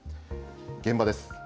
現場です。